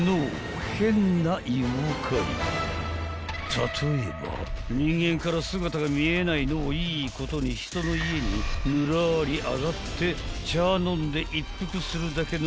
［例えば人間から姿が見えないのをいいことに人の家にぬらり上がって茶飲んで一服するだけの］